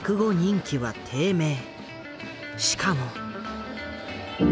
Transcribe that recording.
しかも。